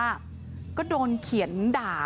จับรถขึ้นไม่ได้